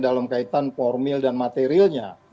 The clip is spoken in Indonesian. dalam kaitan formil dan materialnya